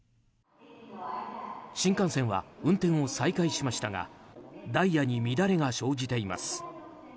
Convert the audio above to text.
新幹線は運転を再開しましたがダイヤに乱れが生じています。